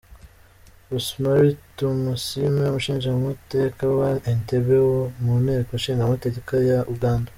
-Rosemary Tumusiime, umushingamateka wa Entebbe mu nteko nshingamateka ya Uganda.